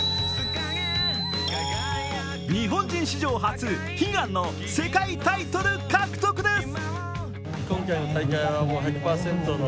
日本人史上初、悲願の世界タイトル獲得です。